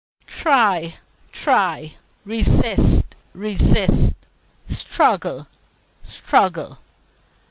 "Try! Try! Resist! Resist! Struggle! Struggle!"